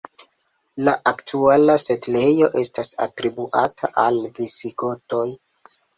La aktuala setlejo estas atribuata al visigotoj.